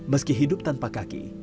meski hidup tanpa kaki